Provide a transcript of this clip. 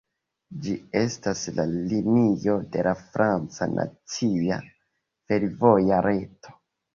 Ĝi estas la linio de la franca nacia fervoja reto.